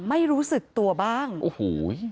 ไม่รู้สึกตัวบ้างโอ้โห